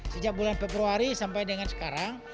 sejak bulan februari sampai dengan sekarang